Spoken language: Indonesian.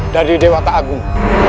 dari dewa tak agung